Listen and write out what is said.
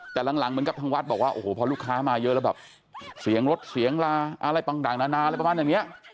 แต่หลังเหมือนกับทางวัดบอกว่าโอ้โหพอลูกค้ามาเยอะแล้วแบบเสียงรถเสียงลาอะไรปังนาอะไรประมาณอย่างนี้